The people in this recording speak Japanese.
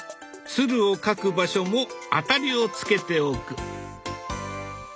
鶴を描く場所もあたりをつけておく。